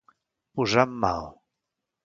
Posar en mal.